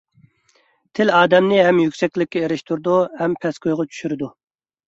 تىل ئادەمنى ھەم يۈكسەكلىككە ئېرىشتۈرىدۇ ھەم پەسكويغا چۈشۈرىدۇ.